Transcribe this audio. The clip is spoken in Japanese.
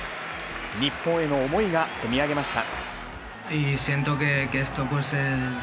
日本への思いがこみ上げました。